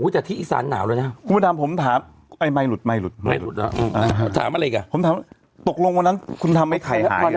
แต่ที่อีสานหนาวเลยนะคุณผู้ชายผมถามไหมลุดถามอะไรกันผมถามตกลงวันนั้นคุณทำไอ้ไข่หาย